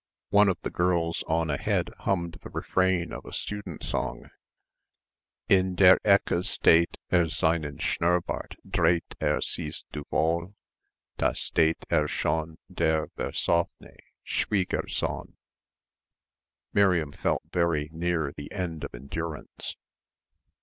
One of the girls on ahead hummed the refrain of a student song: "In der Ecke steht er Seinen Schnurbart dreht er Siehst du wohl, da steht er schon Der versoff'ne Schwiegersohn." Miriam felt very near the end of endurance.